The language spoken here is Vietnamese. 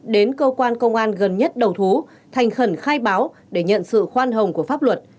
đến cơ quan công an gần nhất đầu thú thành khẩn khai báo để nhận sự khoan hồng của pháp luật